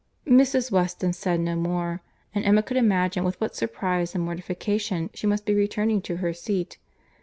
Mrs. Weston said no more; and Emma could imagine with what surprize and mortification she must be returning to her seat.